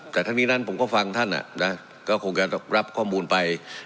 แต่ทั้งนี้นั้นผมก็ฟังท่านก็คงจะรับข้อมูลไป